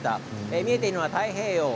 見えているのは太平洋。